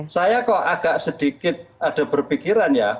saya kok agak sedikit ada berpikiran ya